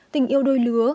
tình yêu đôi lứa